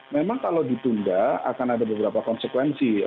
memang kalau ditunda akan ada beberapa konsekuensi